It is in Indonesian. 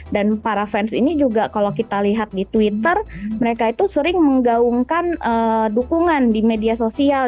dan para fans ini juga kalau kita lihat di twitter mereka itu sering menggaungkan dukungan di media sosial